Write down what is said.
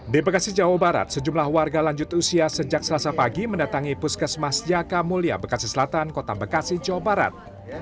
di bekasi jawa barat sejumlah warga lanjut usia sejak selasa pagi mendatangi puskesmas jaka mulia bekasi selatan kota bekasi jawa barat